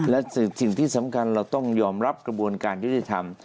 และสิ่งที่สำคัญเราต้องยอมรับกระบวนการยุติธรรม